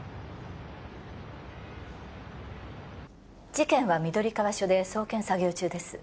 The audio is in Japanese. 事件は緑川署で送検作業中です。